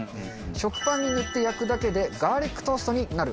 食パンに塗って焼くだけでガーリックトーストになる。